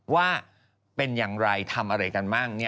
ว่าเป็นอย่างไรทำอะไรกันบ้าง